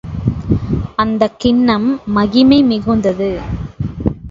அந்தக் கிண்ணம் மகிமை மிகுந்தது.